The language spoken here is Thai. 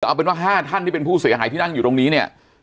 เอาเป็นว่า๕ท่านที่เป็นผู้เสียหายที่นั่งอยู่ตรงนี้เนี่ย